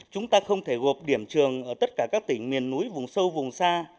chúng ta không thể gộp điểm trường ở tất cả các tỉnh miền núi vùng sâu vùng xa